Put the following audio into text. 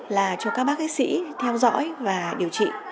là cho các bác sĩ theo dõi và điều trị